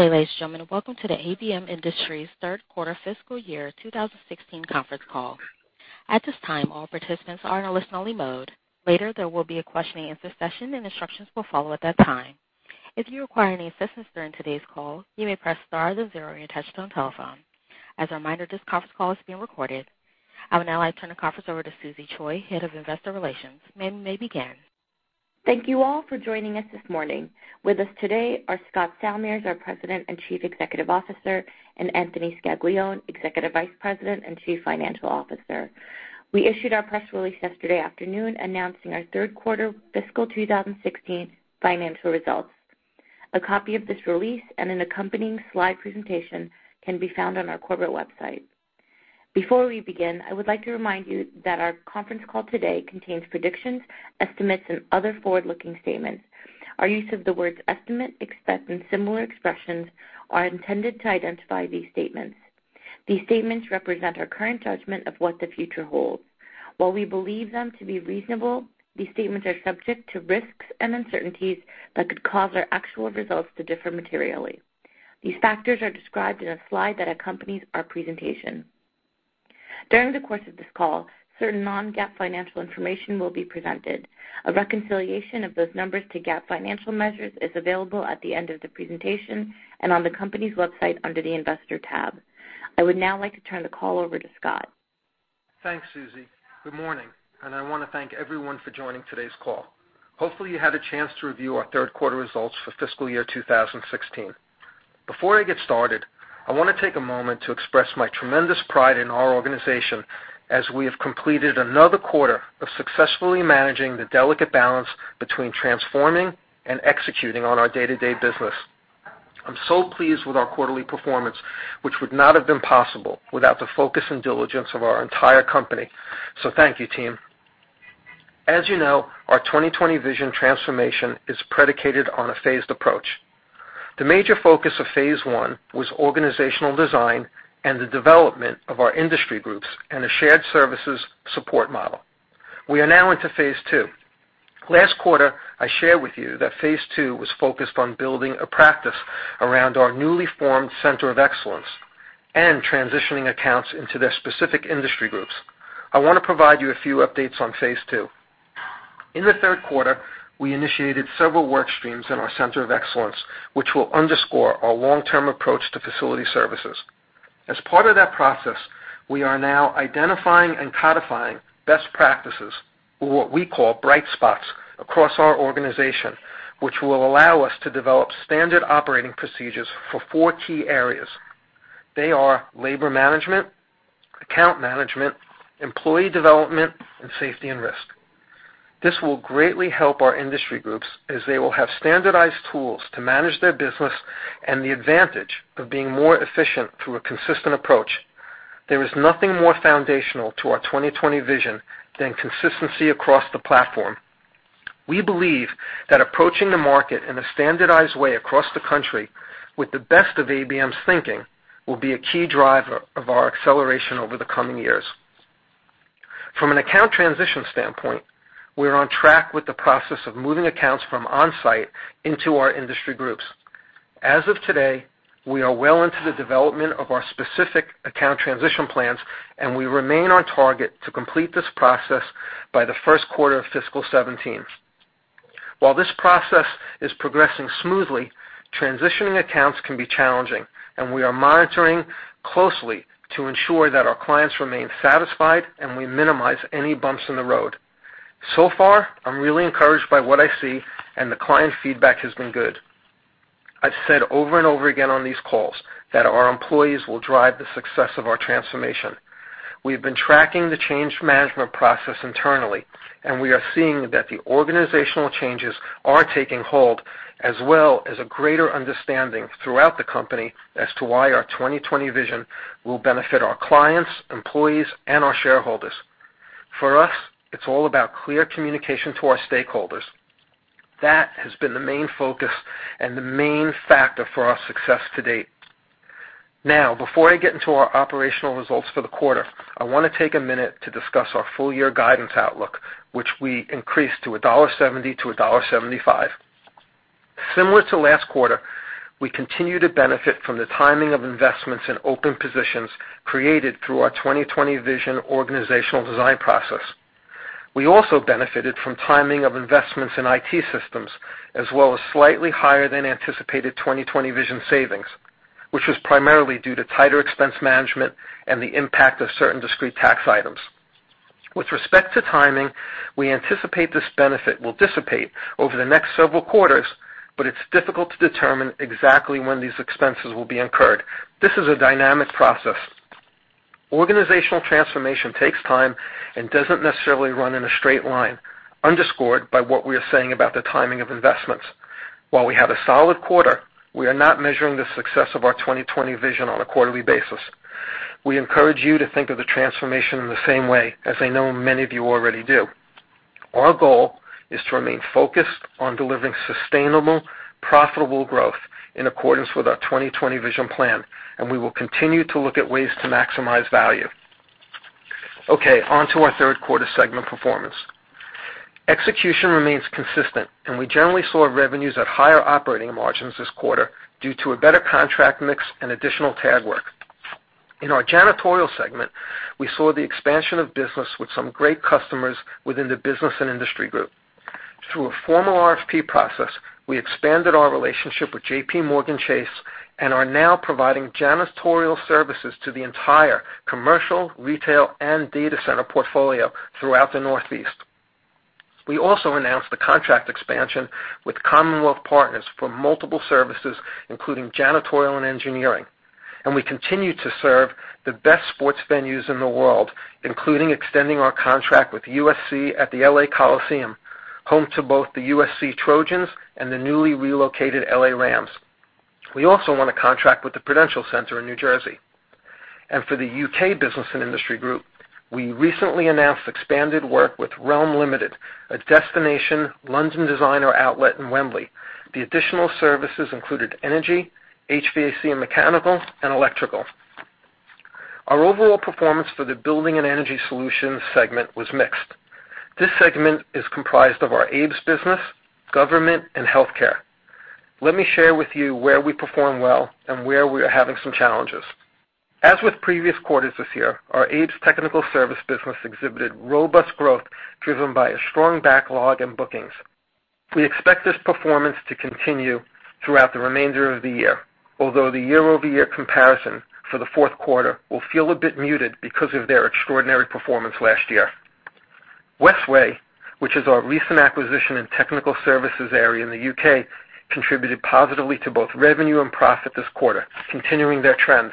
Good day, ladies and gentlemen. Welcome to the ABM Industries third quarter fiscal year 2016 conference call. At this time, all participants are in a listen only mode. Later, there will be a questioning and answer session, and instructions will follow at that time. If you require any assistance during today's call, you may press star then zero on your touch-tone telephone. As a reminder, this conference call is being recorded. I would now like to turn the conference over to Susie Choi, Head of Investor Relations. Ma'am, you may begin. Thank you all for joining us this morning. With us today are Scott Salmirs, our President and Chief Executive Officer, and Anthony Scaglione, Executive Vice President and Chief Financial Officer. We issued our press release yesterday afternoon announcing our third quarter fiscal 2016 financial results. A copy of this release and an accompanying slide presentation can be found on our corporate website. Before we begin, I would like to remind you that our conference call today contains predictions, estimates, and other forward-looking statements. Our use of the words estimate, expect, and similar expressions are intended to identify these statements. These statements represent our current judgment of what the future holds. While we believe them to be reasonable, these statements are subject to risks and uncertainties that could cause our actual results to differ materially. These factors are described in a slide that accompanies our presentation. During the course of this call, certain non-GAAP financial information will be presented. A reconciliation of those numbers to GAAP financial measures is available at the end of the presentation and on the company's website under the investor tab. I would now like to turn the call over to Scott. Thanks, Susie. Good morning, and I want to thank everyone for joining today's call. Hopefully, you had a chance to review our third quarter results for fiscal year 2016. Before I get started, I want to take a moment to express my tremendous pride in our organization as we have completed another quarter of successfully managing the delicate balance between transforming and executing on our day-to-day business. I'm so pleased with our quarterly performance, which would not have been possible without the focus and diligence of our entire company. Thank you, team. As you know, our 2020 Vision transformation is predicated on a phased approach. The major focus of phase one was organizational design and the development of our industry groups and a shared services support model. We are now into phase two. Last quarter, I shared with you that phase two was focused on building a practice around our newly formed center of excellence and transitioning accounts into their specific industry groups. I want to provide you a few updates on phase two. In the third quarter, we initiated several work streams in our center of excellence, which will underscore our long-term approach to facility services. As part of that process, we are now identifying and codifying best practices or what we call bright spots across our organization, which will allow us to develop standard operating procedures for four key areas. They are labor management, account management, employee development, and safety and risk. This will greatly help our industry groups as they will have standardized tools to manage their business and the advantage of being more efficient through a consistent approach. There is nothing more foundational to our 2020 Vision than consistency across the platform. We believe that approaching the market in a standardized way across the country with the best of ABM's thinking will be a key driver of our acceleration over the coming years. From an account transition standpoint, we are on track with the process of moving accounts from on-site into our industry groups. As of today, we are well into the development of our specific account transition plans, and we remain on target to complete this process by the first quarter of fiscal 2017. While this process is progressing smoothly, transitioning accounts can be challenging, and we are monitoring closely to ensure that our clients remain satisfied and we minimize any bumps in the road. So far, I'm really encouraged by what I see, and the client feedback has been good. I've said over and over again on these calls that our employees will drive the success of our transformation. We've been tracking the change management process internally, and we are seeing that the organizational changes are taking hold, as well as a greater understanding throughout the company as to why our 2020 Vision will benefit our clients, employees, and our shareholders. For us, it's all about clear communication to our stakeholders. That has been the main focus and the main factor for our success to date. Before I get into our operational results for the quarter, I want to take a minute to discuss our full year guidance outlook, which we increased to $1.70 to $1.75. Similar to last quarter, we continue to benefit from the timing of investments in open positions created through our 2020 Vision organizational design process. We also benefited from timing of investments in IT systems, as well as slightly higher than anticipated 2020 Vision savings, which was primarily due to tighter expense management and the impact of certain discrete tax items. With respect to timing, we anticipate this benefit will dissipate over the next several quarters, but it's difficult to determine exactly when these expenses will be incurred. This is a dynamic process. Organizational transformation takes time and doesn't necessarily run in a straight line, underscored by what we are saying about the timing of investments. While we had a solid quarter, we are not measuring the success of our 2020 Vision on a quarterly basis. We encourage you to think of the transformation in the same way as I know many of you already do. Our goal is to remain focused on delivering sustainable, profitable growth in accordance with our 2020 Vision plan. We will continue to look at ways to maximize value. On to our third quarter segment performance. Execution remains consistent. We generally saw revenues at higher operating margins this quarter due to a better contract mix and additional tag work. In our janitorial segment, we saw the expansion of business with some great customers within the Business and Industry group. Through a formal RFP process, we expanded our relationship with JPMorgan Chase and are now providing janitorial services to the entire commercial, retail, and data center portfolio throughout the Northeast. We also announced the contract expansion with Commonwealth Partners for multiple services, including janitorial and engineering. We continue to serve the best sports venues in the world, including extending our contract with USC at the L.A. Coliseum, home to both the USC Trojans and the newly relocated L.A. Rams. We also won a contract with the Prudential Center in New Jersey. For the U.K. Business and Industry group, we recently announced expanded work with Realm Ltd, a destination London Designer Outlet in Wembley. The additional services included energy, HVAC and mechanical, and electrical. Our overall performance for the Building and Energy Solutions segment was mixed. This segment is comprised of our ABES business, government, and healthcare. Let me share with you where we perform well and where we are having some challenges. As with previous quarters this year, our ABES technical service business exhibited robust growth driven by a strong backlog in bookings. We expect this performance to continue throughout the remainder of the year. Although the year-over-year comparison for the fourth quarter will feel a bit muted because of their extraordinary performance last year. Westway, which is our recent acquisition and technical services area in the U.K., contributed positively to both revenue and profit this quarter, continuing their trend.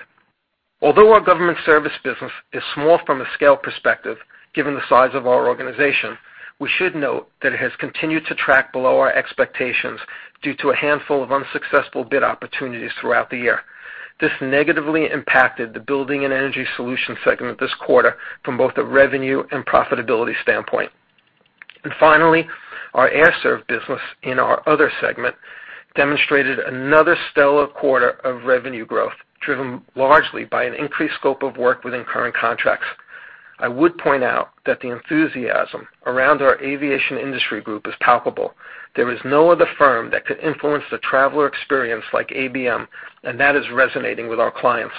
Although our government service business is small from a scale perspective, given the size of our organization, we should note that it has continued to track below our expectations due to a handful of unsuccessful bid opportunities throughout the year. This negatively impacted the Building and Energy Solutions segment this quarter from both a revenue and profitability standpoint. Finally, our Air Serv business in our other segment demonstrated another stellar quarter of revenue growth, driven largely by an increased scope of work within current contracts. I would point out that the enthusiasm around our aviation industry group is palpable. There is no other firm that could influence the traveler experience like ABM. That is resonating with our clients.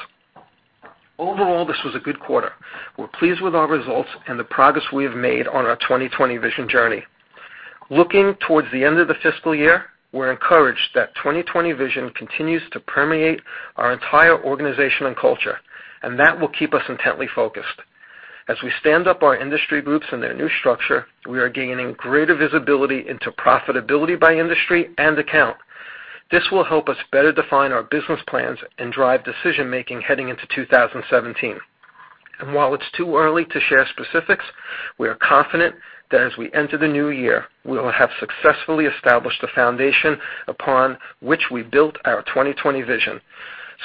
Overall, this was a good quarter. We're pleased with our results and the progress we have made on our 2020 Vision journey. Looking towards the end of the fiscal year, we're encouraged that 2020 Vision continues to permeate our entire organization and culture. That will keep us intently focused. As we stand up our industry groups in their new structure, we are gaining greater visibility into profitability by industry and account. This will help us better define our business plans and drive decision-making heading into 2017. While it's too early to share specifics, we are confident that as we enter the new year, we will have successfully established a foundation upon which we built our 2020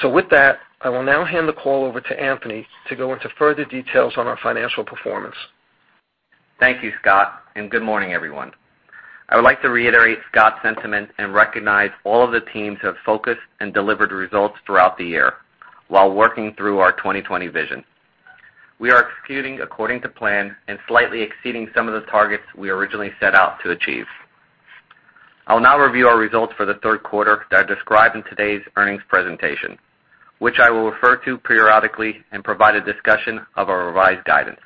Vision. With that, I will now hand the call over to Anthony to go into further details on our financial performance. Thank you, Scott, and good morning, everyone. I would like to reiterate Scott's sentiment and recognize all of the teams who have focused and delivered results throughout the year while working through our 2020 Vision. We are executing according to plan and slightly exceeding some of the targets we originally set out to achieve. I'll now review our results for the third quarter that are described in today's earnings presentation, which I will refer to periodically and provide a discussion of our revised guidance.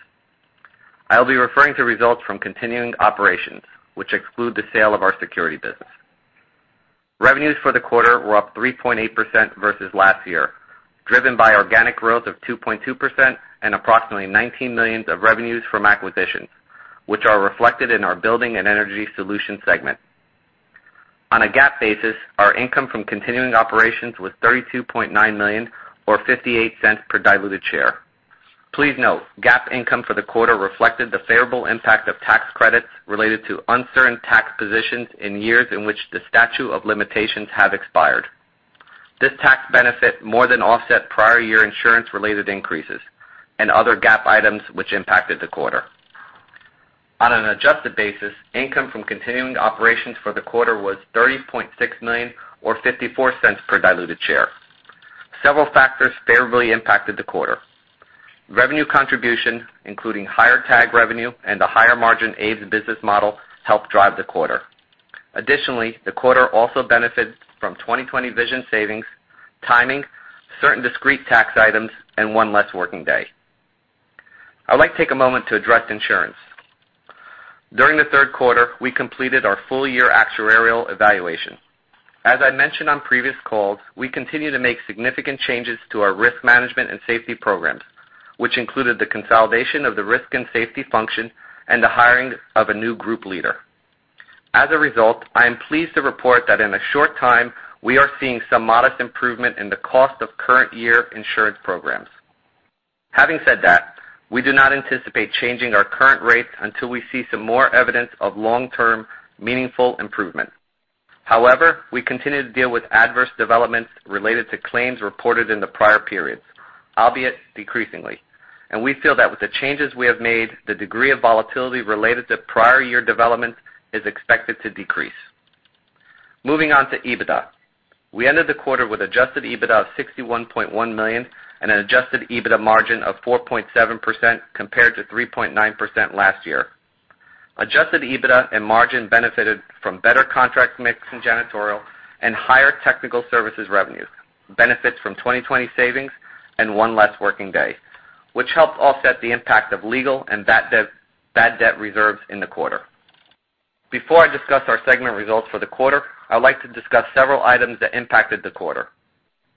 I'll be referring to results from continuing operations, which exclude the sale of our security business. Revenues for the quarter were up 3.8% versus last year, driven by organic growth of 2.2% and approximately $19 million of revenues from acquisitions, which are reflected in our Building and Energy Solutions segment. On a GAAP basis, our income from continuing operations was $32.9 million or $0.58 per diluted share. Please note, GAAP income for the quarter reflected the favorable impact of tax credits related to uncertain tax positions in years in which the statute of limitations have expired. This tax benefit more than offset prior year insurance-related increases and other GAAP items which impacted the quarter. On an adjusted basis, income from continuing operations for the quarter was $30.6 million or $0.54 per diluted share. Several factors favorably impacted the quarter. Revenue contribution, including higher tag revenue and the higher margin ABES business model, helped drive the quarter. Additionally, the quarter also benefits from 2020 Vision savings, timing, certain discrete tax items, and one less working day. I'd like to take a moment to address insurance. During the third quarter, we completed our full-year actuarial evaluation. As I mentioned on previous calls, we continue to make significant changes to our risk management and safety programs, which included the consolidation of the risk and safety function and the hiring of a new group leader. As a result, I am pleased to report that in a short time, we are seeing some modest improvement in the cost of current year insurance programs. Having said that, we do not anticipate changing our current rates until we see some more evidence of long-term meaningful improvement. However, we continue to deal with adverse developments related to claims reported in the prior periods, albeit decreasingly. We feel that with the changes we have made, the degree of volatility related to prior year developments is expected to decrease. Moving on to EBITDA. We ended the quarter with adjusted EBITDA of $61.1 million and an adjusted EBITDA margin of 4.7%, compared to 3.9% last year. Adjusted EBITDA and margin benefited from better contract mix in janitorial and higher technical services revenues, benefits from 2020 savings and one less working day, which helped offset the impact of legal and bad debt reserves in the quarter. Before I discuss our segment results for the quarter, I'd like to discuss several items that impacted the quarter.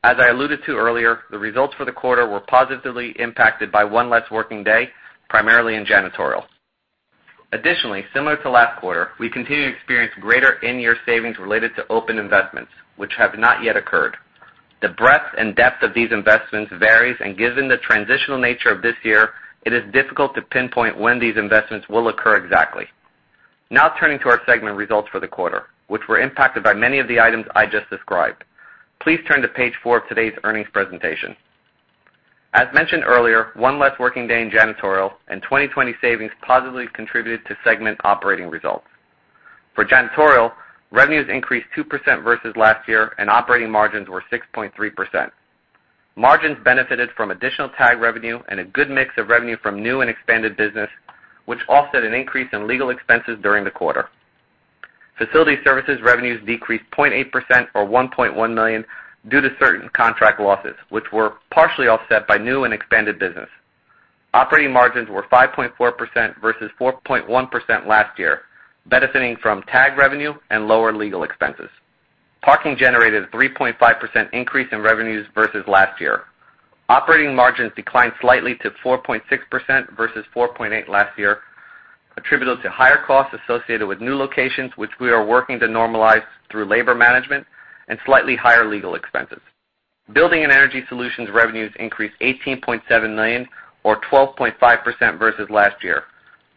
As I alluded to earlier, the results for the quarter were positively impacted by one less working day, primarily in janitorial. Additionally, similar to last quarter, we continue to experience greater in-year savings related to open investments which have not yet occurred. The breadth and depth of these investments varies, and given the transitional nature of this year, it is difficult to pinpoint when these investments will occur exactly. Now turning to our segment results for the quarter, which were impacted by many of the items I just described. Please turn to page four of today's earnings presentation. As mentioned earlier, one less working day in janitorial and 2020 savings positively contributed to segment operating results. For janitorial, revenues increased 2% versus last year, and operating margins were 6.3%. Margins benefited from additional tag revenue and a good mix of revenue from new and expanded business, which offset an increase in legal expenses during the quarter. Facility services revenues decreased 0.8% or $1.1 million due to certain contract losses, which were partially offset by new and expanded business. Operating margins were 5.4% versus 4.1% last year, benefiting from tag revenue and lower legal expenses. Parking generated a 3.5% increase in revenues versus last year. Operating margins declined slightly to 4.6% versus 4.8% last year, attributable to higher costs associated with new locations, which we are working to normalize through labor management and slightly higher legal expenses. Building and Energy Solutions revenues increased to $18.7 million or 12.5% versus last year,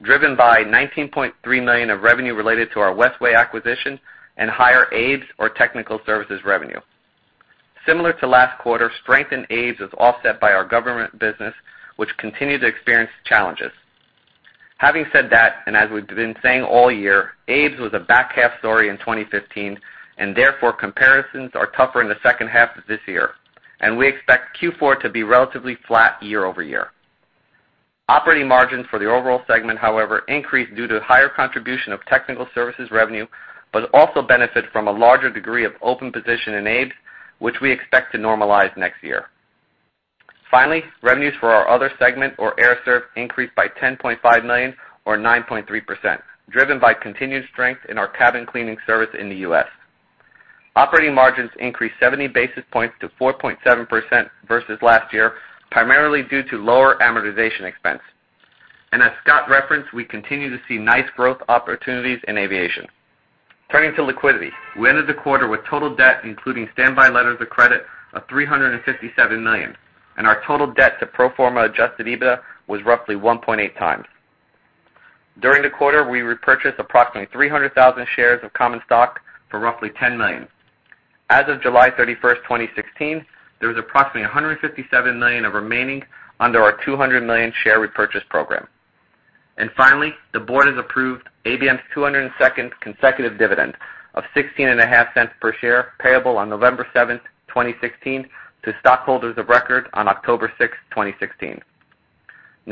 driven by $19.3 million of revenue related to our Westway acquisition and higher ABES or technical services revenue. Similar to last quarter, strength in ABES was offset by our government business, which continued to experience challenges. Having said that, and as we've been saying all year, ABES was a back half story in 2015, and therefore comparisons are tougher in the second half of this year, and we expect Q4 to be relatively flat year-over-year. Operating margins for the overall segment, however, increased due to higher contribution of technical services revenue, but also benefit from a larger degree of open position in ABES, which we expect to normalize next year. Finally, revenues for our other segment or Air Serv increased by $10.5 million or 9.3%, driven by continued strength in our cabin cleaning service in the U.S. Operating margins increased 70 basis points to 4.7% versus last year, primarily due to lower amortization expense. And as Scott referenced, we continue to see nice growth opportunities in aviation. Turning to liquidity. We ended the quarter with total debt, including standby letters of credit of $357 million, and our total debt to pro forma adjusted EBITDA was roughly 1.8 times. During the quarter, we repurchased approximately 300,000 shares of common stock for roughly $10 million. As of July 31st, 2016, there was approximately $157 million remaining under our $200 million share repurchase program. Finally, the board has approved ABM's 202nd consecutive dividend of $0.165 per share payable on November 7th, 2016 to stockholders of record on October 6th, 2016.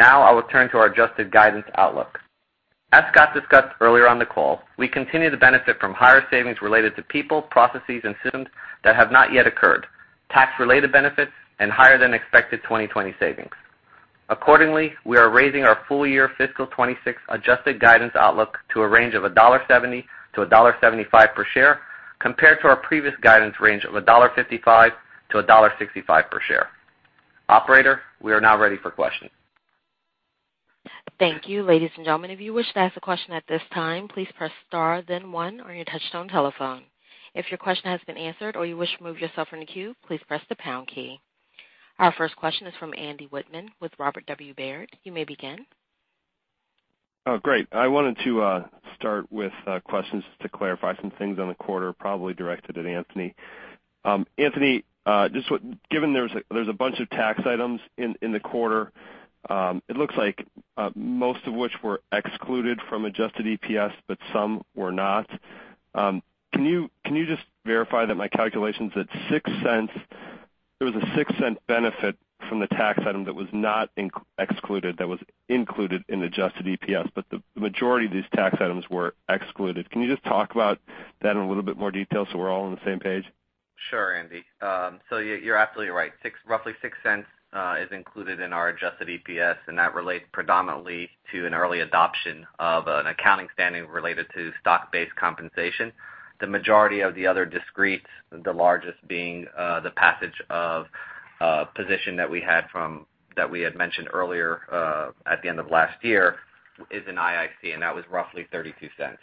I will turn to our adjusted guidance outlook. As Scott discussed earlier on the call, we continue to benefit from higher savings related to people, processes, and systems that have not yet occurred, tax-related benefits, and higher than expected 2020 savings. Accordingly, we are raising our full year fiscal 2016 adjusted guidance outlook to a range of $1.70-$1.75 per share, compared to our previous guidance range of $1.55-$1.65 per share. Operator, we are now ready for questions. Thank you. Ladies and gentlemen, if you wish to ask a question at this time, please press star 1 on your touchtone telephone. If your question has been answered or you wish to remove yourself from the queue, please press the pound key. Our first question is from Andy Wittmann with Robert W. Baird. You may begin. Great. I wanted to start with questions just to clarify some things on the quarter, probably directed at Anthony. Anthony, given there's a bunch of tax items in the quarter, it looks like most of which were excluded from adjusted EPS, but some were not. Can you just verify that my calculations that there was a $0.06 benefit from the tax item that was not excluded, that was included in adjusted EPS, but the majority of these tax items were excluded. Can you just talk about that in a little bit more detail so we're all on the same page? Sure, Andy. You're absolutely right. Roughly $0.06 is included in our adjusted EPS, and that relates predominantly to an early adoption of an accounting standard related to stock-based compensation. The majority of the other discrete, the largest being the passage of a position that we had mentioned earlier, at the end of last year is in [IIC], and that was roughly $0.32.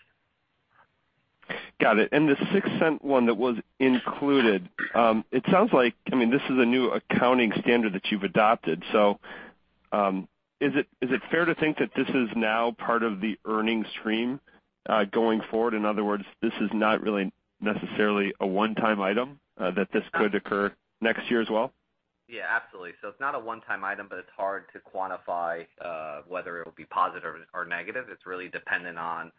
Got it. The $0.06 one that was included, it sounds like this is a new accounting standard that you've adopted. Is it fair to think that this is now part of the earnings stream, going forward? In other words, this is not really necessarily a one-time item, that this could occur next year as well? Yeah, absolutely. It's not a one-time item, but it's hard to quantify whether it'll be positive or negative. It's really dependent on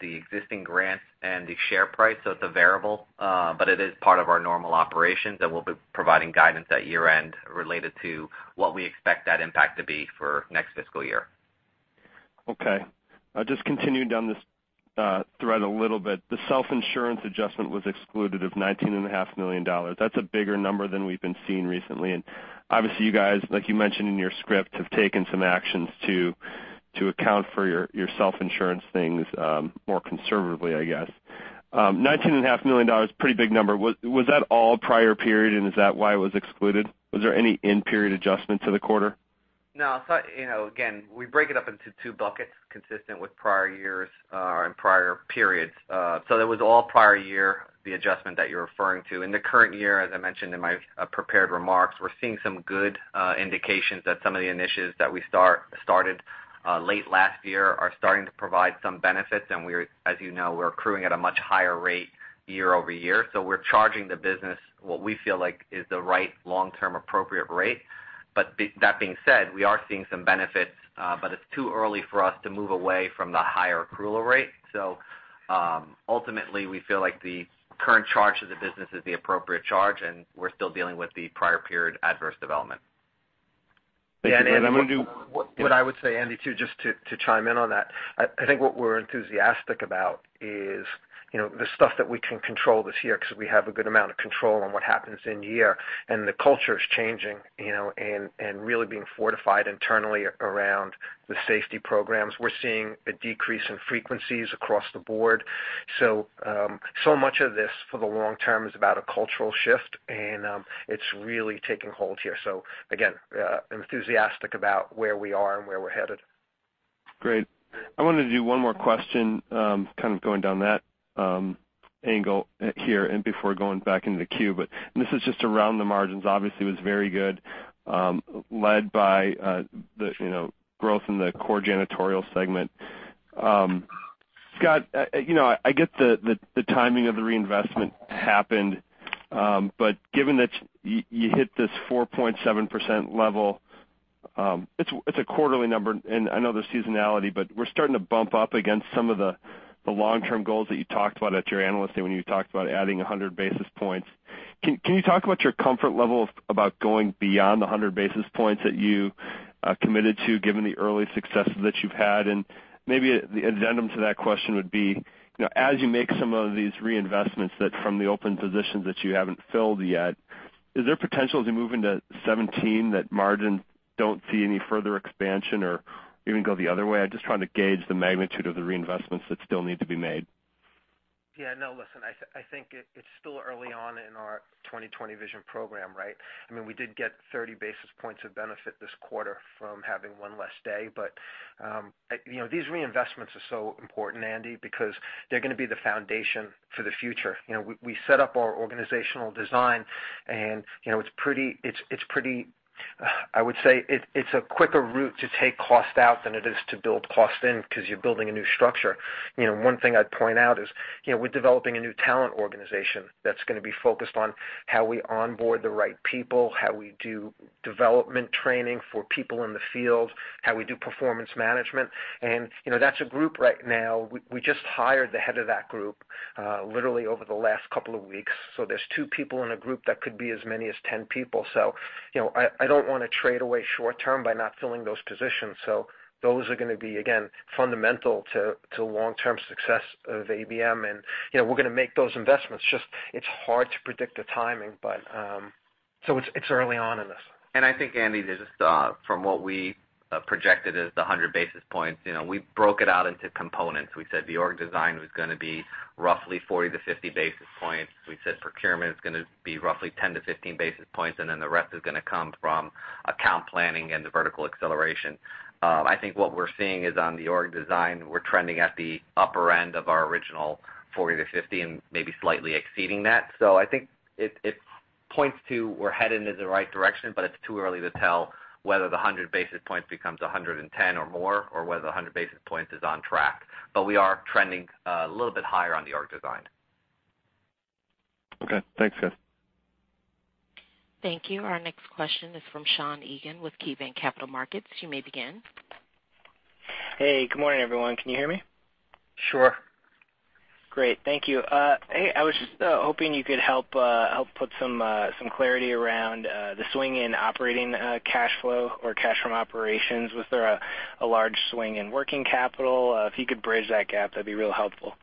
the existing grants and the share price. It's a variable, but it is part of our normal operations, and we'll be providing guidance at year-end related to what we expect that impact to be for next fiscal year. Okay. Just continuing down this thread a little bit. The self-insurance adjustment was excluded of $19.5 million. That's a bigger number than we've been seeing recently, and obviously you guys, like you mentioned in your script, have taken some actions to account for your self-insurance things more conservatively, I guess. $19.5 million, pretty big number. Was that all prior period, and is that why it was excluded? Was there any in-period adjustment to the quarter? No. Again, we break it up into two buckets consistent with prior years and prior periods. That was all prior year, the adjustment that you're referring to. In the current year, as I mentioned in my prepared remarks, we're seeing some good indications that some of the initiatives that we started late last year are starting to provide some benefits. As you know, we're accruing at a much higher rate year-over-year. We're charging the business what we feel like is the right long-term appropriate rate. That being said, we are seeing some benefits, but it's too early for us to move away from the higher accrual rate. Ultimately we feel like the current charge to the business is the appropriate charge, and we're still dealing with the prior period adverse development. Thank you, Andy. I'm going to What I would say, Andy, too, just to chime in on that. I think what we're enthusiastic about is the stuff that we can control this year, because we have a good amount of control on what happens in here, and the culture is changing, and really being fortified internally around the safety programs. We're seeing a decrease in frequencies across the board. Much of this for the long term is about a cultural shift, and it's really taking hold here. Again, enthusiastic about where we are and where we're headed. Great. I wanted to do one more question, kind of going down that angle here and before going back into the queue. This is just around the margins. Obviously, it was very good, led by the growth in the core janitorial segment. Scott, I get the timing of the reinvestment happened. Given that you hit this 4.7% level, it's a quarterly number, and I know there's seasonality, but we're starting to bump up against some of the long-term goals that you talked about at your analyst day when you talked about adding 100 basis points. Can you talk about your comfort level about going beyond the 100 basis points that you committed to, given the early successes that you've had? Maybe the addendum to that question would be, as you make some of these reinvestments that from the open positions that you haven't filled yet, is there potential as we move into 2017 that margins don't see any further expansion or even go the other way? I'm just trying to gauge the magnitude of the reinvestments that still need to be made. Listen, I think it's still early on in our 2020 Vision program, right? We did get 30 basis points of benefit this quarter from having one less day. These reinvestments are so important, Andy, because they're going to be the foundation for the future. We set up our organizational design, I would say it's a quicker route to take cost out than it is to build cost in, because you're building a new structure. One thing I'd point out is, we're developing a new talent organization that's going to be focused on how we onboard the right people, how we do development training for people in the field, how we do performance management. That's a group right now. We just hired the head of that group literally over the last couple of weeks. There's two people in a group that could be as many as 10 people. I don't want to trade away short term by not filling those positions. Those are going to be, again, fundamental to long-term success of ABM, we're going to make those investments. It's hard to predict the timing, it's early on in this. I think, Andy, from what we projected as the 100 basis points, we broke it out into components. We said the org design was going to be roughly 40-50 basis points. We said procurement is going to be roughly 10-15 basis points, then the rest is going to come from account planning and the vertical acceleration. I think what we're seeing is on the org design, we're trending at the upper end of our original 40-50 and maybe slightly exceeding that. I think it points to we're headed in the right direction, it's too early to tell whether the 100 basis points becomes 110 or more, or whether 100 basis points is on track. We are trending a little bit higher on the org design. Thanks, guys. Thank you. Our next question is from Sean Egan with KeyBanc Capital Markets. You may begin. Hey, good morning, everyone. Can you hear me? Sure. Great. Thank you. Hey, I was just hoping you could help put some clarity around the swing in operating cash flow or cash from operations. Was there a large swing in working capital? If you could bridge that gap, that'd be real helpful.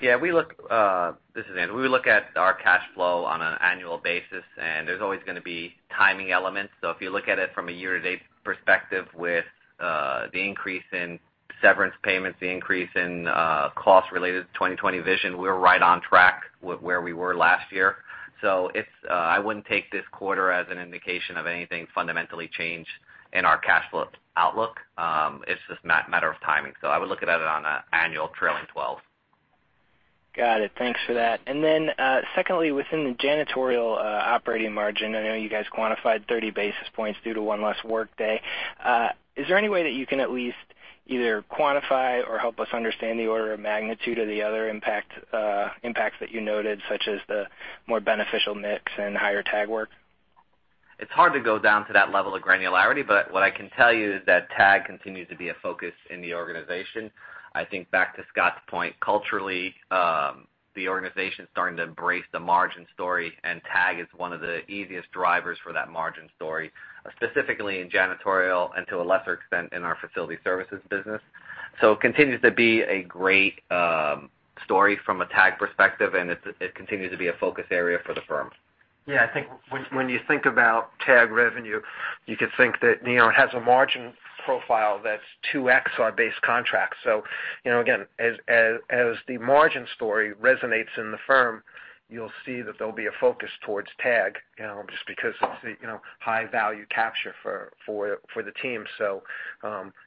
Yeah. This is Anthony. We look at our cash flow on an annual basis. There's always going to be timing elements. If you look at it from a year-to-date perspective with the increase in severance payments, the increase in cost related to 2020 Vision, we're right on track with where we were last year. I wouldn't take this quarter as an indication of anything fundamentally changed in our cash flow outlook. It's just a matter of timing. I would look at it on an annual trailing 12. Got it. Thanks for that. Secondly, within the janitorial operating margin, I know you guys quantified 30 basis points due to one less workday. Is there any way that you can at least either quantify or help us understand the order of magnitude of the other impacts that you noted, such as the more beneficial mix and higher TAG work? It's hard to go down to that level of granularity, what I can tell you is that TAG continues to be a focus in the organization. I think back to Scott's point, culturally, the organization's starting to embrace the margin story, TAG is one of the easiest drivers for that margin story, specifically in janitorial and to a lesser extent in our facility services business. It continues to be a great story from a TAG perspective, and it continues to be a focus area for the firm. Yeah, I think when you think about TAG revenue, you could think that it has a margin profile that's two x our base contract. Again, as the margin story resonates in the firm, you'll see that there'll be a focus towards TAG, just because it's the high value capture for the team.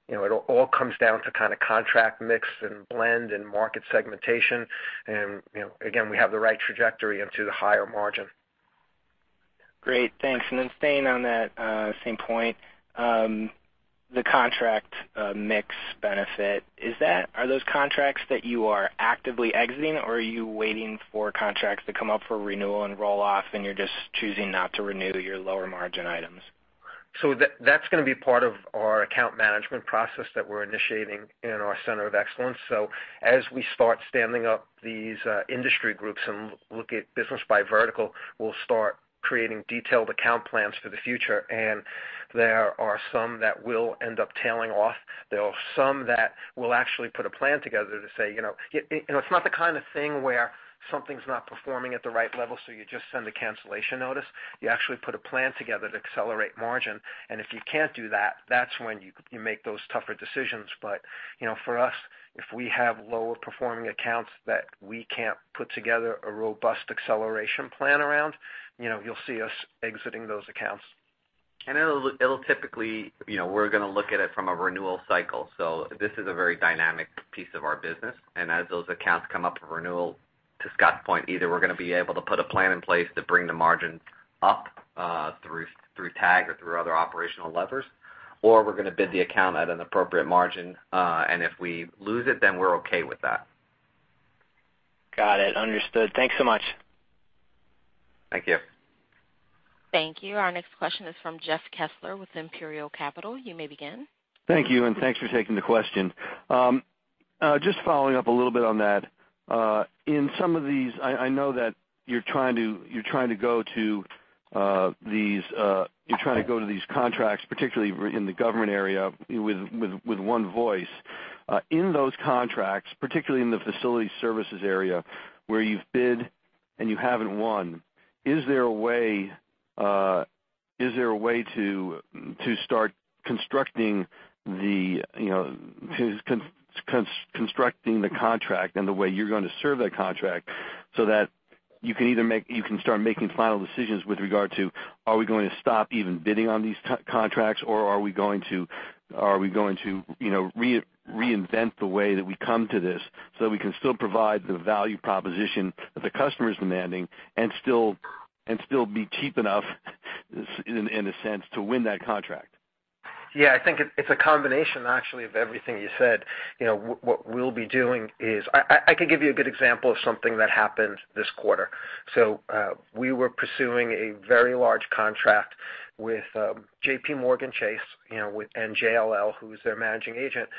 It all comes down to kind of contract mix and blend and market segmentation. Again, we have the right trajectory into the higher margin. Great, thanks. Then staying on that same point, the contract mix benefit. Are those contracts that you are actively exiting, or are you waiting for contracts to come up for renewal and roll off, and you're just choosing not to renew your lower margin items? That's going to be part of our account management process that we're initiating in our center of excellence. As we start standing up these industry groups and look at business by vertical, we'll start creating detailed account plans for the future. There are some that will end up tailing off. There are some that we'll actually put a plan together to say, it's not the kind of thing where something's not performing at the right level, so you just send a cancellation notice. You actually put a plan together to accelerate margin. If you can't do that's when you make those tougher decisions. For us, if we have lower performing accounts that we can't put together a robust acceleration plan around, you'll see us exiting those accounts. It'll typically, we're going to look at it from a renewal cycle. This is a very dynamic piece of our business. As those accounts come up for renewal, to Scott's point, either we're going to be able to put a plan in place to bring the margin up through TAG or through other operational levers, or we're going to bid the account at an appropriate margin. If we lose it, then we're okay with that. Got it. Understood. Thanks so much. Thank you. Thank you. Our next question is from Jeff Kessler with Imperial Capital. You may begin. Thank you. Thanks for taking the question. Just following up a little bit on that. In some of these, I know that you're trying to go to these contracts, particularly in the government area, with one voice. In those contracts, particularly in the facility services area, where you've bid and you haven't won, is there a way to start constructing the contract and the way you're going to serve that contract so that you can start making final decisions with regard to, are we going to stop even bidding on these contracts, or are we going to reinvent the way that we come to this so that we can still provide the value proposition that the customer is demanding and still be cheap enough, in a sense, to win that contract? I think it's a combination, actually, of everything you said. What we'll be doing is I can give you a good example of something that happened this quarter. We were pursuing a very large contract with JPMorgan Chase, and JLL, who's their managing agent.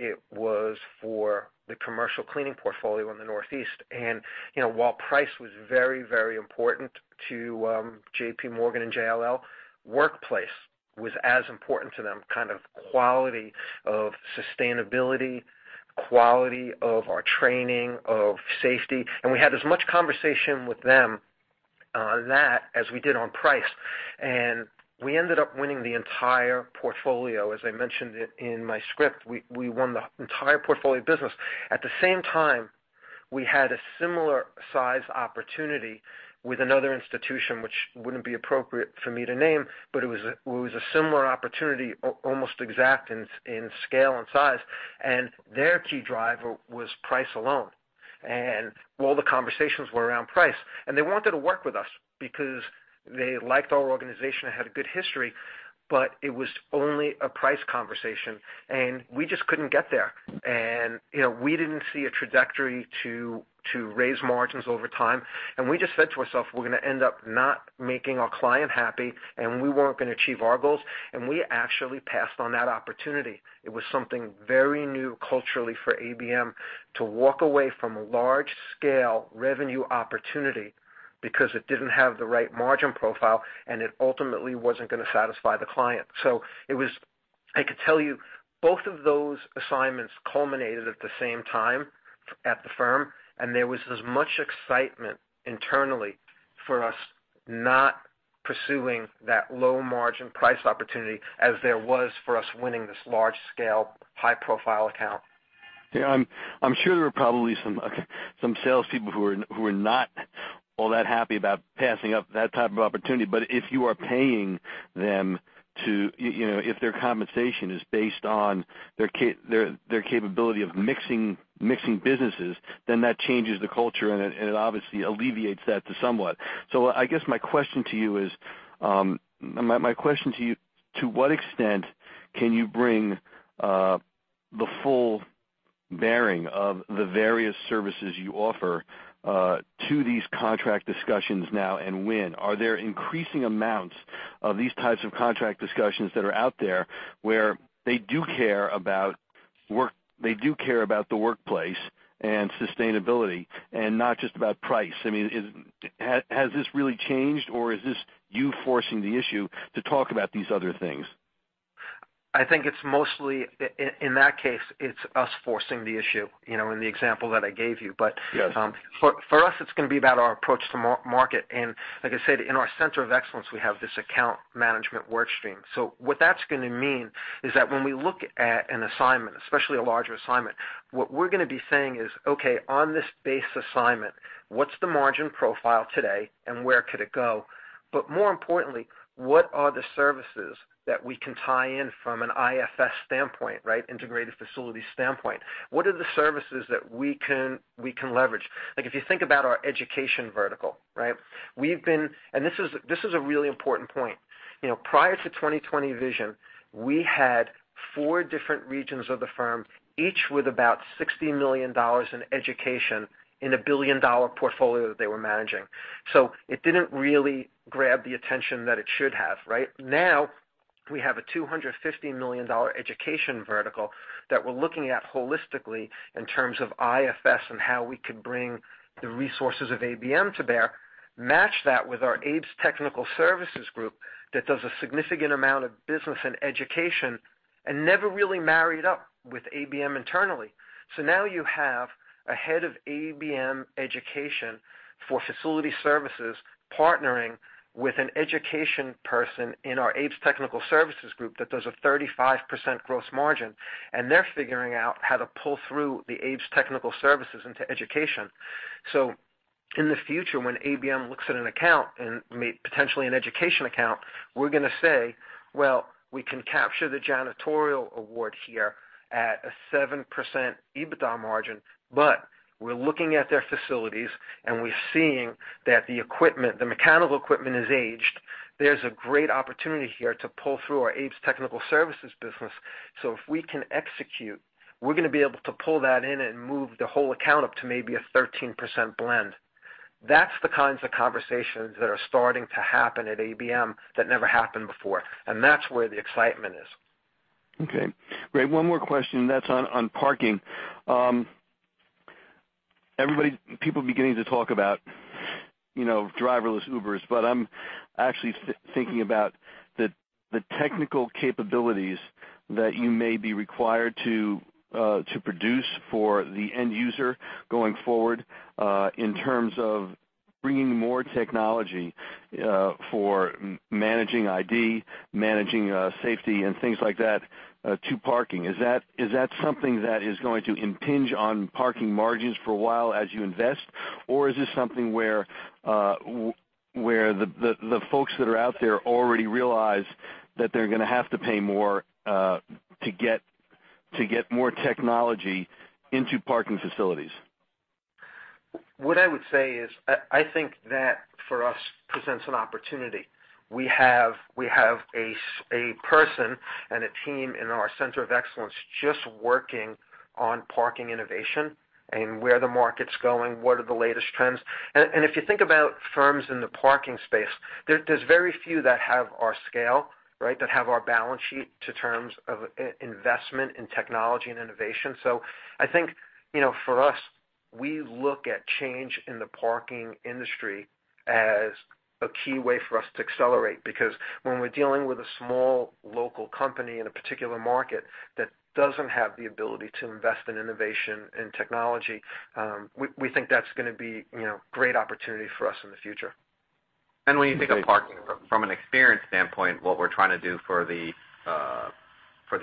It was for the commercial cleaning portfolio in the Northeast. While price was very, very important to JPMorgan and JLL, workplace was as important to them. Kind of quality of sustainability, quality of our training, of safety. We had as much conversation with them on that as we did on price. We ended up winning the entire portfolio. As I mentioned in my script, we won the entire portfolio business. At the same time, we had a similar size opportunity with another institution, which wouldn't be appropriate for me to name, but it was a similar opportunity, almost exact in scale and size. Their key driver was price alone. All the conversations were around price. They wanted to work with us because they liked our organization and had a good history. It was only a price conversation, and we just couldn't get there. We didn't see a trajectory to raise margins over time. We just said to ourself, we're going to end up not making our client happy, and we weren't going to achieve our goals. We actually passed on that opportunity. It was something very new culturally for ABM to walk away from a large-scale revenue opportunity because it didn't have the right margin profile, and it ultimately wasn't going to satisfy the client. I could tell you, both of those assignments culminated at the same time at the firm, and there was as much excitement internally for us not pursuing that low margin price opportunity as there was for us winning this large scale, high profile account. Yeah, I'm sure there are probably some salespeople who are not all that happy about passing up that type of opportunity. If their compensation is based on their capability of mixing businesses, then that changes the culture, and it obviously alleviates that to somewhat. I guess my question to you is, to what extent can you bring the full bearing of the various services you offer to these contract discussions now and when? Are there increasing amounts of these types of contract discussions that are out there where they do care about the workplace and sustainability, and not just about price? Has this really changed or is this you forcing the issue to talk about these other things? I think it's mostly, in that case, it's us forcing the issue, in the example that I gave you. Yes. For us, it's going to be about our approach to market. Like I said, in our center of excellence, we have this account management work stream. What that's going to mean is that when we look at an assignment, especially a larger assignment, what we're going to be saying is, "Okay, on this base assignment, what's the margin profile today and where could it go?" More importantly, what are the services that we can tie in from an IFS standpoint, right? Integrated facilities standpoint. What are the services that we can leverage? If you think about our education vertical, right? This is a really important point. Prior to 2020 Vision, we had four different regions of the firm, each with about $60 million in education in a billion-dollar portfolio that they were managing. It didn't really grab the attention that it should have, right? We have a $250 million education vertical that we're looking at holistically in terms of IFS and how we could bring the resources of ABM to bear, match that with our ABES technical services group that does a significant amount of business and education, and never really married up with ABM internally. Now you have a head of ABM education for facility services partnering with an education person in our ABES technical services group that does a 35% gross margin, and they're figuring out how to pull through the ABES technical services into education. In the future, when ABM looks at an account, and potentially an education account, we're going to say, "Well, we can capture the janitorial award here at a 7% EBITDA margin, but we're looking at their facilities, and we're seeing that the mechanical equipment is aged. There's a great opportunity here to pull through our ABES technical services business. If we can execute, we're going to be able to pull that in and move the whole account up to maybe a 13% blend." That's the kinds of conversations that are starting to happen at ABM that never happened before, and that's where the excitement is. Okay, great. One more question, that's on parking. People beginning to talk about driverless Ubers, I'm actually thinking about the technical capabilities that you may be required to produce for the end user going forward, in terms of bringing more technology for managing ID, managing safety and things like that to parking. Is that something that is going to impinge on parking margins for a while as you invest, or is this something where the folks that are out there already realize that they're going to have to pay more to get more technology into parking facilities? What I would say is, I think that for us, presents an opportunity. We have a person and a team in our center of excellence just working on parking innovation and where the market's going, what are the latest trends. If you think about firms in the parking space, there's very few that have our scale, right? That have our balance sheet to terms of investment in technology and innovation. I think, for us, we look at change in the parking industry as a key way for us to accelerate, because when we're dealing with a small local company in a particular market that doesn't have the ability to invest in innovation and technology, we think that's going to be a great opportunity for us in the future. Okay. When you think of parking from an experience standpoint, what we're trying to do for the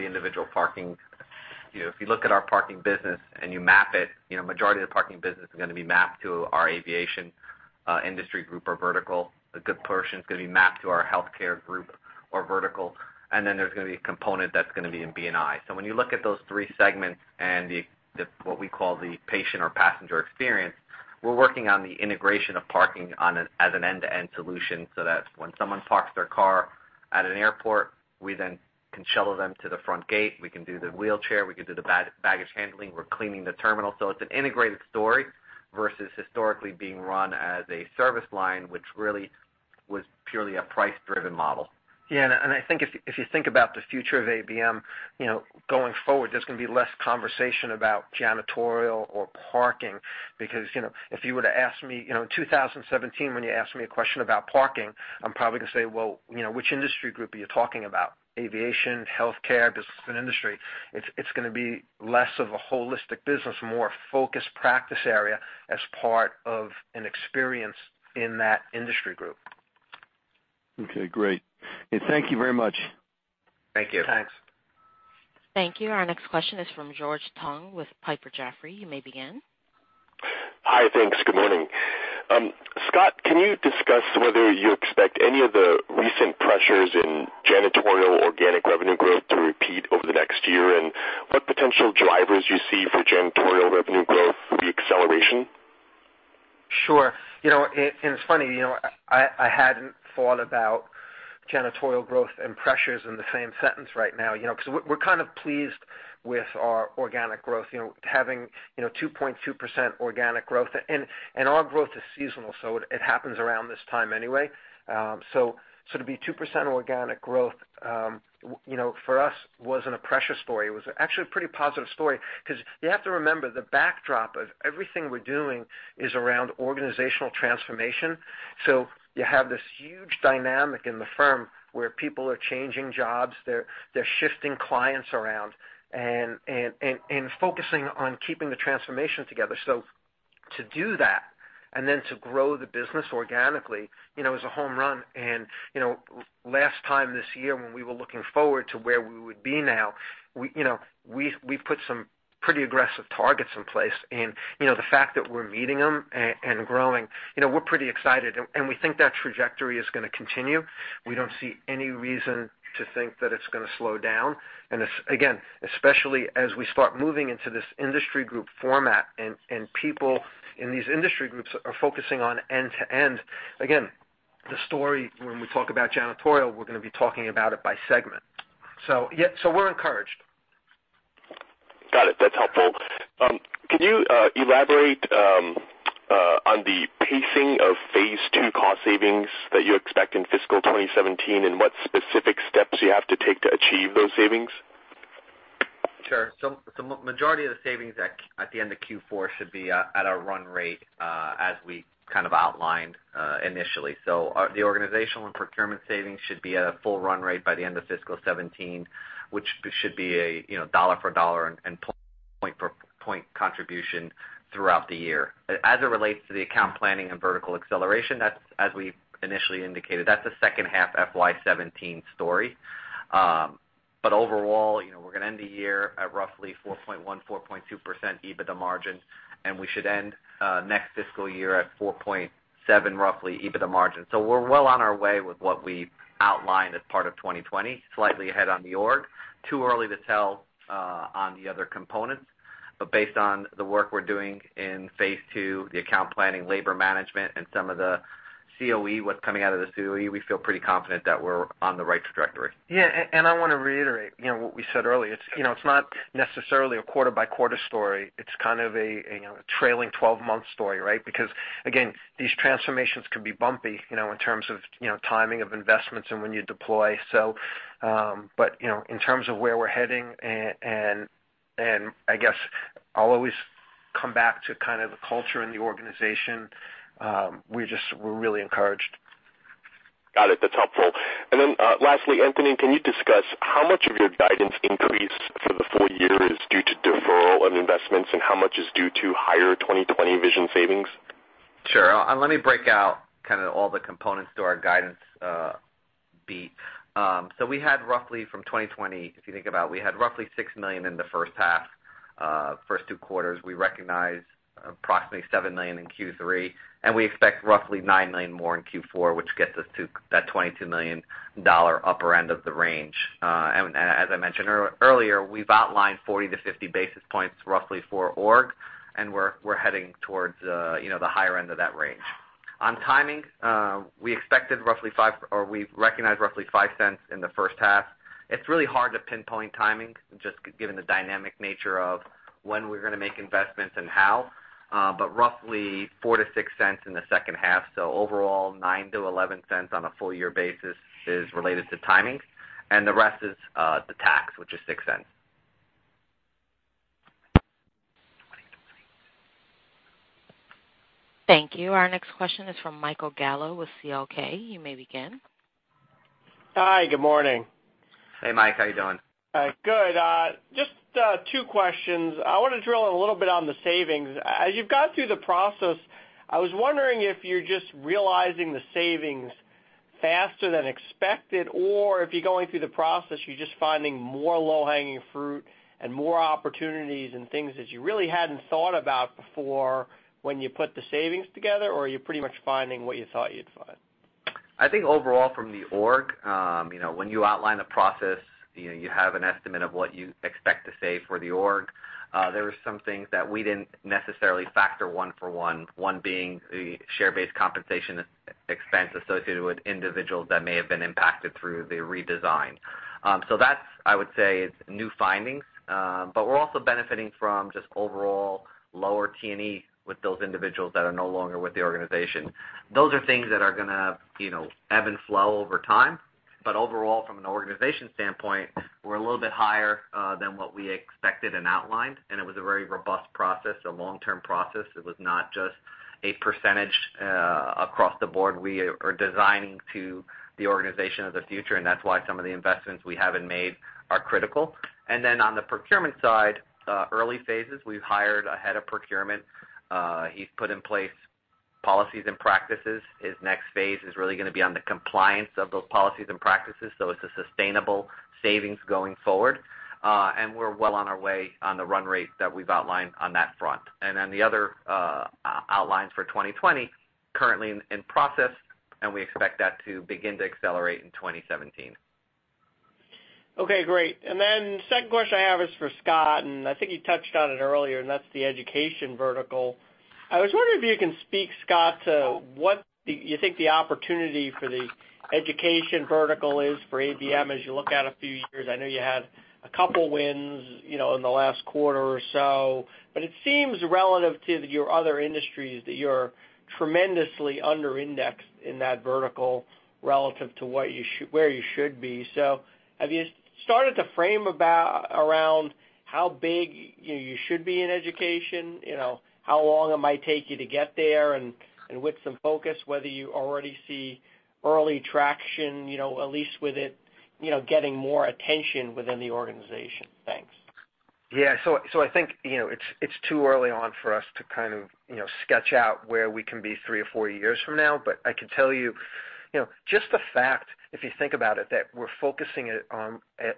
individual parking. If you look at our parking business and you map it, majority of the parking business is going to be mapped to our aviation industry group or vertical. A good portion is going to be mapped to our healthcare group or vertical. Then there's going to be a component that's going to be in B&I. When you look at those three segments and what we call the patient or passenger experience, we're working on the integration of parking as an end-to-end solution, so that when someone parks their car at an airport, we then can shuttle them to the front gate. We can do the wheelchair, we can do the baggage handling. We're cleaning the terminal. It's an integrated story versus historically being run as a service line, which really was purely a price-driven model. I think if you think about the future of ABM, going forward, there's going to be less conversation about janitorial or parking. If you were to ask me in 2017, when you asked me a question about parking, I'm probably going to say, "Which industry group are you talking about? Aviation, Healthcare, Business and Industry?" It's going to be less of a holistic business, more focused practice area as part of an experience in that industry group. Okay, great. Thank you very much. Thank you. Thanks. Thank you. Our next question is from George Tong with Piper Jaffray. You may begin. Hi. Thanks. Good morning. Scott, can you discuss whether you expect any of the recent pressures in janitorial organic revenue growth to repeat over the next year? What potential drivers you see for janitorial revenue growth with the acceleration? Sure. It's funny, I hadn't thought about janitorial growth and pressures in the same sentence right now, because we're kind of pleased with our organic growth, having 2.2% organic growth. Our growth is seasonal, so it happens around this time anyway. To be 2% organic growth, for us, wasn't a pressure story. It was actually a pretty positive story because you have to remember, the backdrop of everything we're doing is around organizational transformation. You have this huge dynamic in the firm where people are changing jobs, they're shifting clients around, and focusing on keeping the transformation together. To do that and then to grow the business organically, is a home run. Last time this year, when we were looking forward to where we would be now, we put some pretty aggressive targets in place. The fact that we're meeting them and growing, we're pretty excited, and we think that trajectory is going to continue. We don't see any reason to think that it's going to slow down. Again, especially as we start moving into this industry group format, and people in these industry groups are focusing on end to end. Again, the story when we talk about janitorial, we're going to be talking about it by segment. Yeah, we're encouraged. Got it. That's helpful. Can you elaborate on the pacing of phase two cost savings that you expect in fiscal 2017, and what specific steps you have to take to achieve those savings? Sure. Majority of the savings at the end of Q4 should be at our run rate, as we kind of outlined initially. The organizational and procurement savings should be at a full run rate by the end of fiscal 2017, which should be a dollar for dollar and point contribution throughout the year. As it relates to the account planning and vertical acceleration, as we initially indicated, that's a second half FY 2017 story. Overall, we're gonna end the year at roughly 4.1%-4.2% EBITDA margin, and we should end next fiscal year at 4.7%, roughly, EBITDA margin. We're well on our way with what we outlined as part of 2020, slightly ahead on the org. Too early to tell on the other components, but based on the work we're doing in phase two, the account planning, labor management, and some of the COE, what's coming out of the COE, we feel pretty confident that we're on the right trajectory. I want to reiterate what we said earlier. It's not necessarily a quarter-by-quarter story. It's kind of a trailing 12-month story, right? Again, these transformations can be bumpy in terms of timing of investments and when you deploy. In terms of where we're heading, I guess I'll always come back to kind of the culture in the organization, we're really encouraged. Got it. That's helpful. Lastly, Anthony Scaglione, can you discuss how much of your guidance increase for the full year is due to deferral of investments, and how much is due to higher 2020 Vision savings? Sure. Let me break out kind of all the components to our guidance beat. We had roughly from 2020, if you think about, we had roughly $6 million in the first half, first two quarters. We recognized approximately $7 million in Q3, we expect roughly $9 million more in Q4, which gets us to that $22 million upper end of the range. As I mentioned earlier, we've outlined 40 to 50 basis points roughly for org, we're heading towards the higher end of that range. On timing, we expected roughly 5, or we recognized roughly $0.05 in the first half. It's really hard to pinpoint timing, just given the dynamic nature of when we're gonna make investments and how, roughly $0.04-$0.06 in the second half. Overall, $0.09-$0.11 on a full year basis is related to timing, and the rest is the tax, which is $0.06. Thank you. Our next question is from Michael Gallo with CL King. You may begin. Hi. Good morning. Hey, Mike. How you doing? Good. Just two questions. I want to drill a little bit on the savings. As you've gone through the process, I was wondering if you're just realizing the savings faster than expected, or if you're going through the process, you're just finding more low-hanging fruit and more opportunities and things that you really hadn't thought about before when you put the savings together, or are you pretty much finding what you thought you'd find? I think overall from the org, when you outline the process, you have an estimate of what you expect to save for the org. There were some things that we didn't necessarily factor one for one being the share-based compensation expense associated with individuals that may have been impacted through the redesign. That, I would say, is new findings. We're also benefiting from just overall lower T&E with those individuals that are no longer with the organization. Those are things that are gonna ebb and flow over time. Overall, from an organization standpoint, we're a little bit higher than what we expected and outlined, and it was a very robust process, a long-term process. It was not just a percentage across the board. We are designing to the organization of the future, and that's why some of the investments we haven't made are critical. On the procurement side, early phases, we've hired a head of procurement. He's put in place policies and practices. His next phase is really gonna be on the compliance of those policies and practices, so it's a sustainable savings going forward. We're well on our way on the run rate that we've outlined on that front. The other outlines for 2020, currently in process, and we expect that to begin to accelerate in 2017. Okay, great. Second question I have is for Scott, and I think you touched on it earlier, and that's the education vertical. I was wondering if you can speak, Scott, to what you think the opportunity for the education vertical is for ABM as you look out a few years. I know you had a couple wins in the last quarter or so, but it seems relative to your other industries that you're tremendously under indexed in that vertical relative to where you should be. Have you started to frame around how big you should be in education? How long it might take you to get there and with some focus, whether you already see early traction, at least with it getting more attention within the organization? Thanks. Yeah. I think it's too early on for us to kind of sketch out where we can be three or four years from now. I can tell you, just the fact, if you think about it, that we're focusing it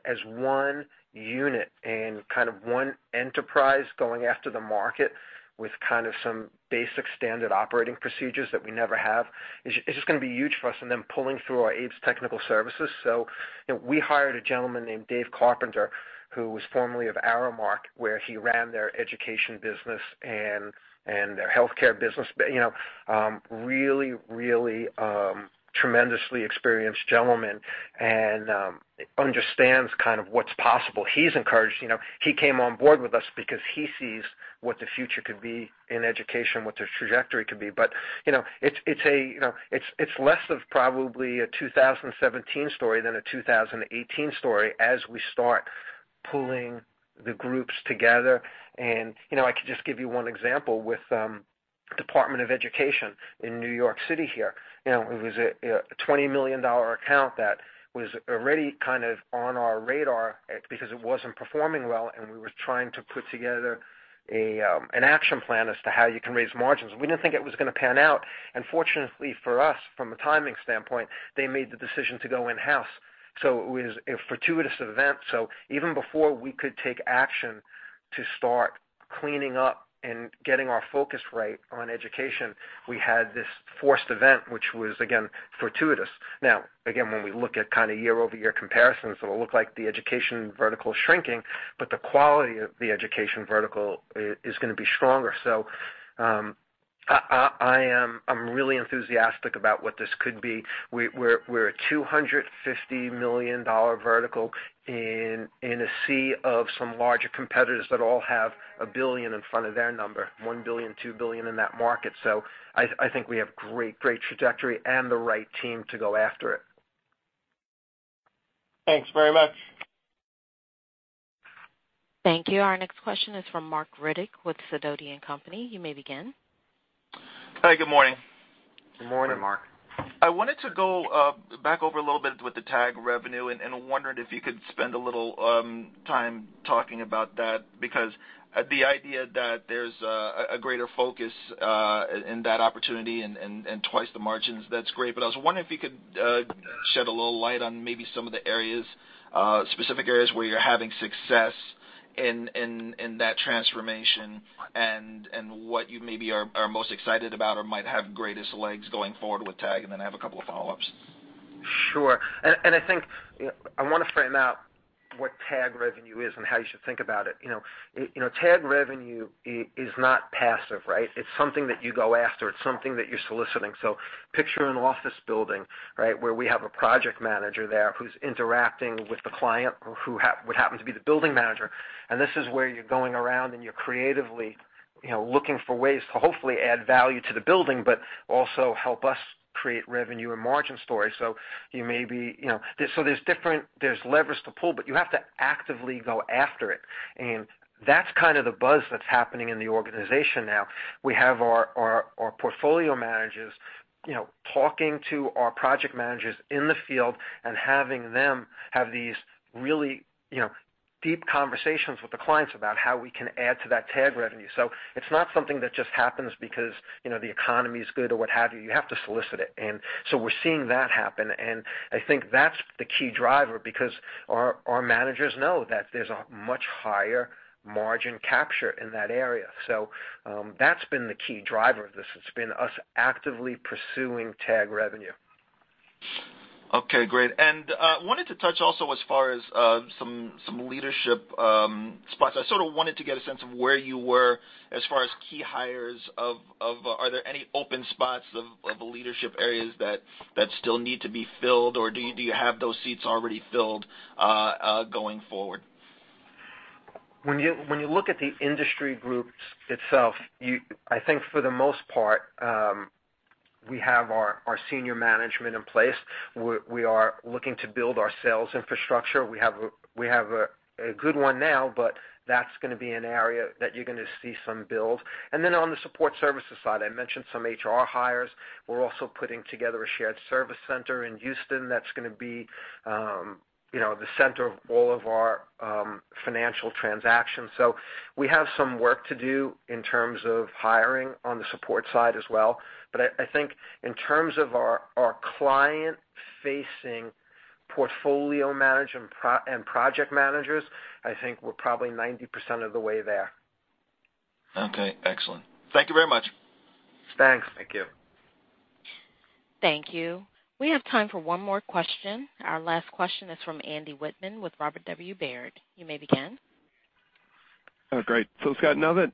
as one unit and kind of one enterprise going after the market with kind of some basic standard operating procedures that we never have, it's just gonna be huge for us and then pulling through our ABES technical services. We hired a gentleman named Dave Carpenter, who was formerly of Aramark, where he ran their education business and their healthcare business. Really, really, tremendously experienced gentleman and understands kind of what's possible. He's encouraged. He came on board with us because he sees what the future could be in education, what their trajectory could be. It's less of probably a 2017 story than a 2018 story as we start pulling the groups together. I could just give you one example with Department of Education in New York City here. It was a $20 million account that was already kind of on our radar because it wasn't performing well, and we were trying to put together an action plan as to how you can raise margins. We didn't think it was going to pan out, and fortunately for us, from a timing standpoint, they made the decision to go in-house. It was a fortuitous event. Even before we could take action to start cleaning up and getting our focus right on education, we had this forced event, which was, again, fortuitous. Again, when we look at kind of year-over-year comparisons, it'll look like the education vertical is shrinking, but the quality of the education vertical is going to be stronger. I'm really enthusiastic about what this could be. We're a $250 million vertical in a sea of some larger competitors that all have a billion in front of their number, $1 billion, $2 billion in that market. I think we have great trajectory and the right team to go after it. Thanks very much. Thank you. Our next question is from Marc Riddick with Sidoti & Company. You may begin. Hi, good morning. Good morning. Good morning, Marc. I wanted to go back over a little bit with the tag revenue, and I wondered if you could spend a little time talking about that, because the idea that there's a greater focus, in that opportunity and twice the margins, that's great. I was wondering if you could shed a little light on maybe some of the areas, specific areas where you're having success in that transformation and what you maybe are most excited about or might have greatest legs going forward with tag, and then I have a couple of follow-ups. Sure. I think I want to frame out what tag revenue is and how you should think about it. Tag revenue is not passive, right? It's something that you go after. It's something that you're soliciting. Picture an office building, right, where we have a project manager there who's interacting with the client who would happen to be the building manager. This is where you're going around and you're creatively looking for ways to hopefully add value to the building, but also help us create revenue and margin story. There's levers to pull, but you have to actively go after it. That's kind of the buzz that's happening in the organization now. We have our portfolio managers talking to our project managers in the field and having them have these really deep conversations with the clients about how we can add to that tag revenue. It's not something that just happens because the economy is good or what have you. You have to solicit it. We're seeing that happen, and I think that's the key driver because our managers know that there's a much higher margin capture in that area. That's been the key driver of this. It's been us actively pursuing tag revenue. Okay, great. Wanted to touch also as far as some leadership spots. I sort of wanted to get a sense of where you were as far as key hires of are there any open spots of leadership areas that still need to be filled, or do you have those seats already filled going forward? When you look at the industry groups itself, I think for the most part, we have our senior management in place. We are looking to build our sales infrastructure. We have a good one now, but that's going to be an area that you're going to see some build. Then on the support services side, I mentioned some HR hires. We're also putting together a shared service center in Houston that's going to be the center of all of our financial transactions. We have some work to do in terms of hiring on the support side as well. I think in terms of our client-facing portfolio management and project managers, I think we're probably 90% of the way there. Okay, excellent. Thank you very much. Thanks. Thank you. Thank you. We have time for one more question. Our last question is from Andy Wittmann with Robert W. Baird. You may begin. Great. Scott, now that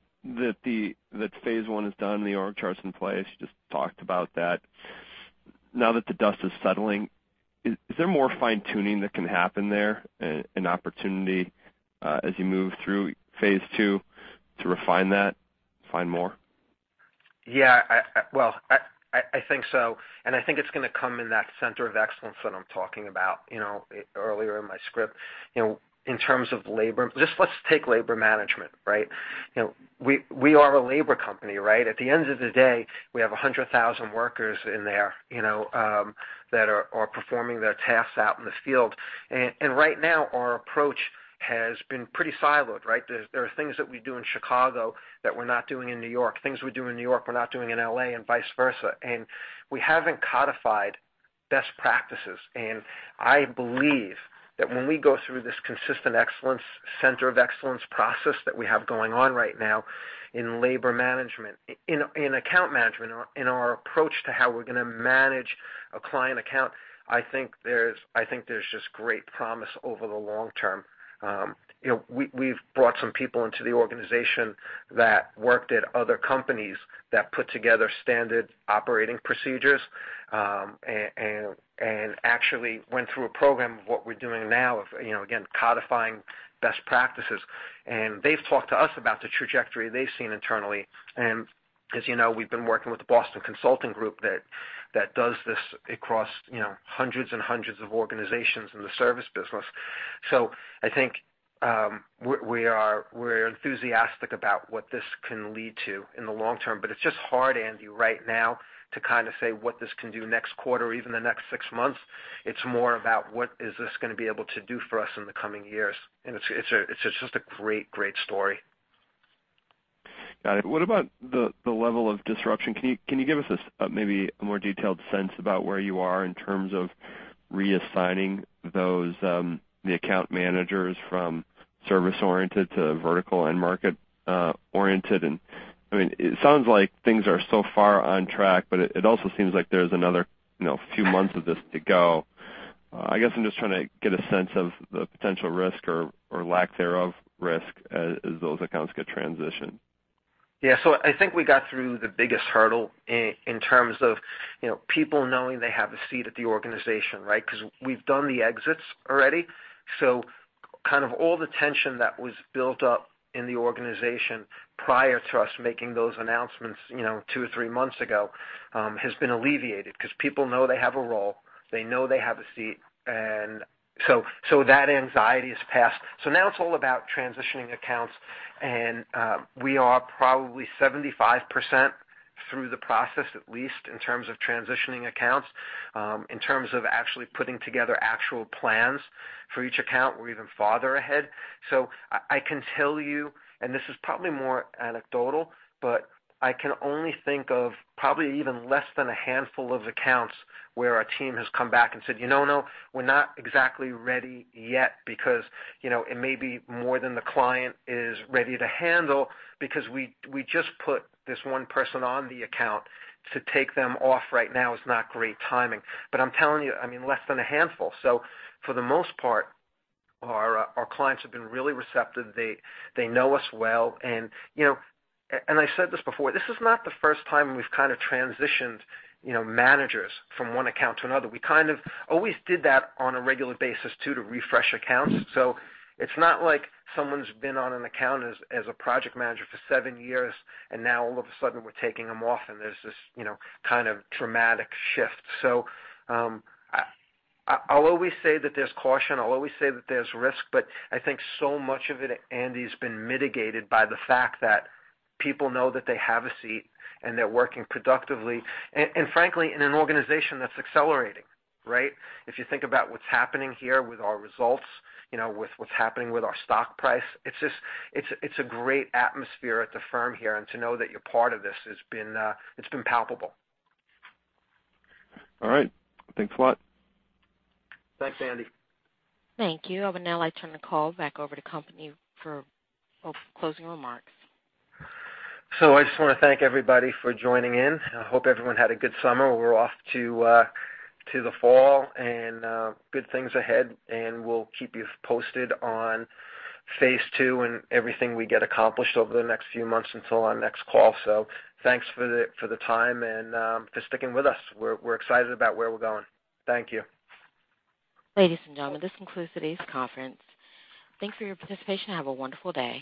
phase one is done, the org chart's in place, you just talked about that. Now that the dust is settling, is there more fine-tuning that can happen there, an opportunity as you move through phase two to refine that, find more? Yeah. Well, I think so. I think it's going to come in that center of excellence that I'm talking about earlier in my script, in terms of labor. Just let's take labor management, right? We are a labor company, right? At the end of the day, we have 100,000 workers in there that are performing their tasks out in the field. Right now, our approach has been pretty siloed, right? There are things that we do in Chicago that we're not doing in New York, things we do in New York we're not doing in L.A., and vice versa. We haven't codified best practices. I believe that when we go through this consistent excellence, Center of Excellence process that we have going on right now in labor management, in account management, in our approach to how we're going to manage a client account, I think there's just great promise over the long term. We've brought some people into the organization that worked at other companies that put together standard operating procedures, and actually went through a program of what we're doing now of, again, codifying best practices. They've talked to us about the trajectory they've seen internally. As you know, we've been working with the Boston Consulting Group that does this across hundreds and hundreds of organizations in the service business. I think we're enthusiastic about what this can lead to in the long term, but it's just hard, Andy, right now to kind of say what this can do next quarter or even the next six months. It's more about what is this going to be able to do for us in the coming years. It's just a great story. Got it. What about the level of disruption? Can you give us maybe a more detailed sense about where you are in terms of reassigning the account managers from service-oriented to vertical end-market-oriented? It sounds like things are so far on track, but it also seems like there's another few months of this to go. I guess I'm just trying to get a sense of the potential risk or lack thereof risk as those accounts get transitioned. Yeah. I think we got through the biggest hurdle in terms of people knowing they have a seat at the organization, right? Because we've done the exits already. Kind of all the tension that was built up in the organization prior to us making those announcements two or three months ago, has been alleviated because people know they have a role, they know they have a seat. That anxiety has passed. Now it's all about transitioning accounts, and we are probably 75% through the process, at least in terms of transitioning accounts. In terms of actually putting together actual plans for each account, we're even farther ahead. I can tell you, and this is probably more anecdotal, but I can only think of probably even less than a handful of accounts where our team has come back and said, "You know, no, we're not exactly ready yet because it may be more than the client is ready to handle because we just put this one person on the account. To take them off right now is not great timing." I'm telling you, less than a handful. For the most part, our clients have been really receptive. They know us well. I said this before, this is not the first time we've kind of transitioned managers from one account to another. We kind of always did that on a regular basis too, to refresh accounts. It's not like someone's been on an account as a project manager for seven years, and now all of a sudden we're taking them off and there's this kind of dramatic shift. I'll always say that there's caution. I'll always say that there's risk, but I think so much of it, Andy, has been mitigated by the fact that people know that they have a seat and they're working productively. Frankly, in an organization that's accelerating, right? If you think about what's happening here with our results, with what's happening with our stock price, it's a great atmosphere at the firm here. To know that you're part of this, it's been palpable. All right. Thanks a lot. Thanks, Andy. Thank you. I will now turn the call back over to company for closing remarks. I just want to thank everybody for joining in. I hope everyone had a good summer. We're off to the fall and good things ahead. We'll keep you posted on phase two and everything we get accomplished over the next few months until our next call. Thanks for the time and for sticking with us. We're excited about where we're going. Thank you. Ladies and gentlemen, this concludes today's conference. Thanks for your participation. Have a wonderful day.